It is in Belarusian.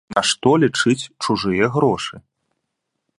Нашто лічыць чужыя грошы?